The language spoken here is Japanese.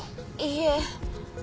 いいえ。